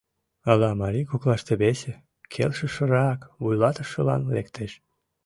Ала марий коклаште весе, келшышырак, вуйлатышылан лектеш...